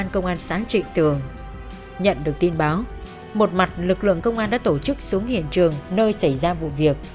công an đã tổ chức xuống hiện trường nơi xảy ra vụ việc